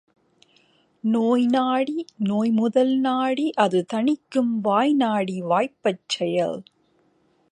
நோய்நாடி நோய்முதல் நாடி அது தணிக்கும் வாய்நாடி வாய்ப்பச் செயல்.